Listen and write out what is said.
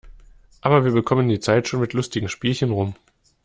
Aber wir bekommen die Zeit schon mit lustigen Spielchen rum.